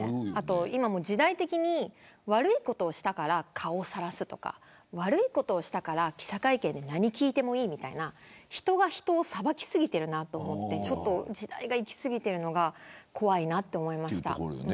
今、時代的に悪いことをしたから顔をさらすとか悪いことをしたから記者会見で何を聞いてもいいみたいな人が人を裁き過ぎているなと思って時代がいき過ぎてるのが怖いなと思いました。